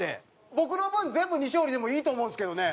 僕の分全部西堀でもいいと思うんですけどね。